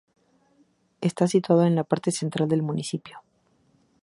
Está situado en la parte central del municipio.